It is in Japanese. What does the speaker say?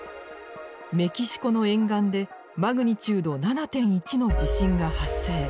メキシコの沿岸でマグニチュード７．１の地震が発生。